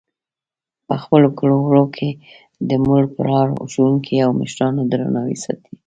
په خپلو کړو وړو کې د مور پلار، ښوونکو او مشرانو درناوی ساتي.